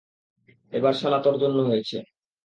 এসব শালা তোর জন্য হয়েছে!